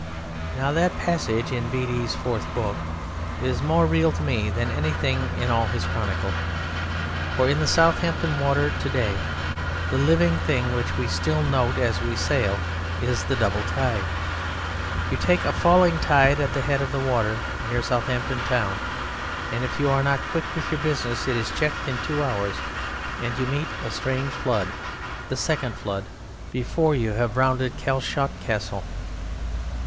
Now that passage in Bede's fourth book is more real to me than anything in all his chronicle, for in Southampton Water to day the living thing which we still note as we sail is the double tide. You take a falling tide at the head of the water, near Southampton Town, and if you are not quick with your business it is checked in two hours and you meet a strange flood, the second flood, before you have rounded Calshott Castle.